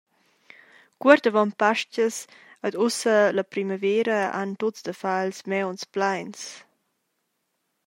Cuort avon Pastgas, ed ussa la primavera, han tuts da far ils mauns pleins.